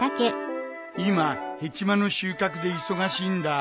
今ヘチマの収穫で忙しいんだ。